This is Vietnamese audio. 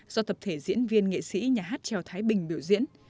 do tập thể diễn viên nghệ sĩ nhà hát trèo thái bình biểu diễn